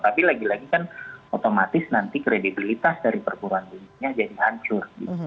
tapi lagi lagi kan otomatis nanti kredibilitas dari perguruan tingginya jadi hancur